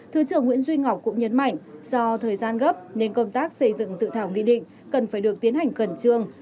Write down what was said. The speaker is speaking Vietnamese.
thứ trưởng nguyễn duy ngọc cũng nhấn mạnh do thời gian gấp nên công tác xây dựng dự thảo nghị định cần phải được tiến hành khẩn trương